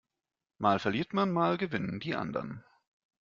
Mal verliert man, mal gewinnen die anderen.